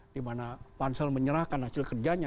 dimana pansel menyerahkan hasil kerjanya